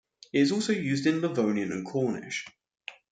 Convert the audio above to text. It is also used in Livonian and Cornish.